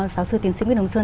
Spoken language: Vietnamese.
giáo sư tiến sĩ nguyễn đồng sơn